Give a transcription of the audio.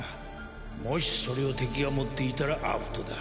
もしそれを敵が持っていたらアウトだ。